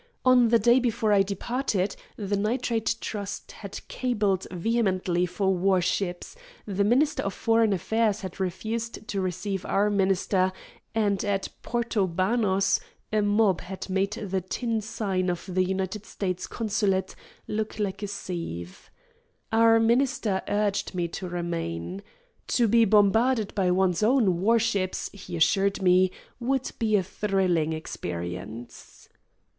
On the day before I departed the Nitrate Trust had cabled vehemently for war ships, the Minister of Foreign Affairs had refused to receive our minister, and at Porto Banos a mob had made the tin sign of the United States consulate look like a sieve. Our minister urged me to remain. To be bombarded by one's own war ships, he assured me, would be a thrilling experience.